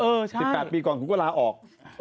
เออใช่๑๘ปีก่อนคุณก็ร้าออก